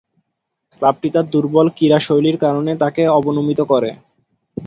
ক্লাবটি তার দূর্বল ক্রীড়াশৈলীর কারণে তাকে অবনমিত করে।